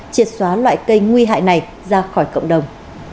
triệt xóa loại cây nguy hại này ra khỏi cộng đồng